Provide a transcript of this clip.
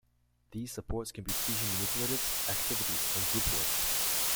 These supports can be teaching manipulatives, activities, and group work.